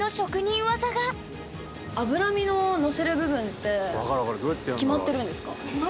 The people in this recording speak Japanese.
脂身ののせる部分って決まってるんですか？